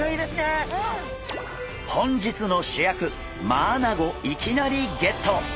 本日の主役マアナゴいきなりゲット！